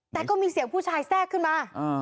แต่ก็มีเสียงผู้ชายแทรกขึ้นมา